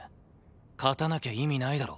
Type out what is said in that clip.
勝たなきゃ意味ないだろ。